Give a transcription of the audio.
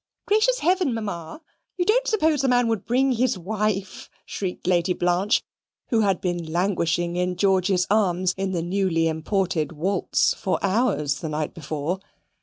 "Gracious Heaven, Mamma you don't suppose the man would bring his wife," shrieked Lady Blanche, who had been languishing in George's arms in the newly imported waltz for hours the night before.